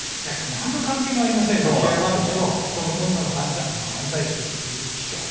なんの関係もありませんよ、空き家バンクと、今度の犯罪、犯罪って言っていいでしょう。